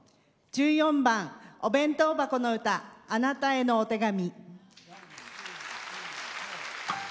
１４番「お弁当ばこのうたあなたへのお手紙」。